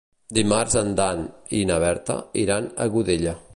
Dimarts en Dan i na Berta iran a Godella.